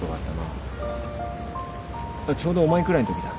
ちょうどお前くらいんときだ。